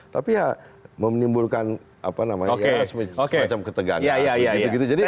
tapi ya meminimbulkan semacam ketegangan